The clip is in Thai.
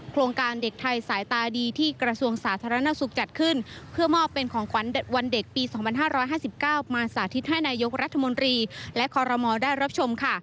โครงการเด็กไทยสายตาดีที่กระทรวงสาธารณสุขจัดขึ้นเพื่อมอบเป็นของขวัญวันเด็กปี๒๕๕๙มาสาธิตให้นายกรัฐมนตรีและคอรมอลได้รับชมค่ะ